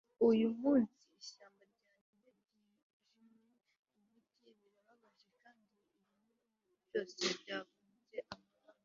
uyu munsi ishyamba ryanjye ryijimye. ibiti birababaje kandi ibinyugunyugu byose byavunitse amababa